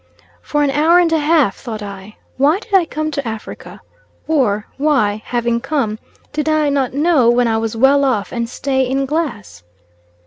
For an hour and a half thought I, Why did I come to Africa, or why, having come, did I not know when I was well off and stay in Glass?